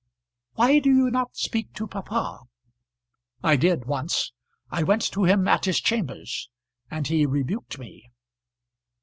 "Why do you not speak to papa?" "I did once. I went to him at his chambers, and he rebuked me."